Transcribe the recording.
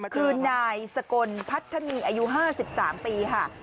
คือนายสกลพัฒนีอายุ๕๓ปีค่ะ